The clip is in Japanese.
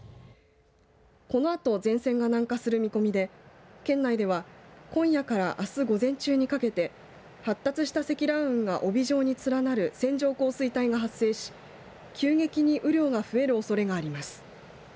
このあと前線が南下する見込みで県内では今夜からあす午前中にかけて発達した積乱雲が帯状に連なる線状降水帯が発生し急激に雨量が増えるおそれもあります。